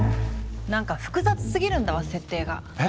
なんか複雑すぎるんだわ設定が。え？